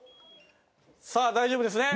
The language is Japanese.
さあ大丈夫ですね。